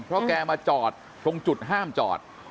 เพราะแกมาจอดตรงจุดห้ามจอด